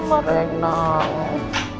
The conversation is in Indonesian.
ma aku kangen